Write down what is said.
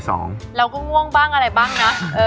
เราก็ง่วงบ้างอะไรบ้างนะ